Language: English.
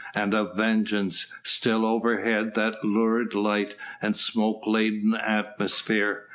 and of "Vengeance!" Still overhead that lurid light and smoke laden atmosphere.